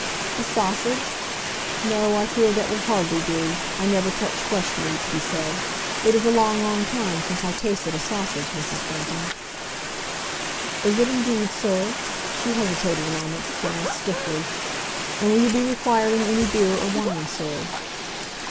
"A sausage? No, I fear that will hardly do. I never touch flesh meat," he said; "it is a long, long time since I tasted a sausage, Mrs. Bunting." "Is it indeed, sir?" She hesitated a moment, then asked stiffly, "And will you be requiring any beer, or wine, sir?"